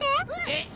えっ？